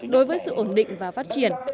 đối với sự ổn định và phát triển